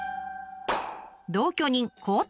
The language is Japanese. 同居人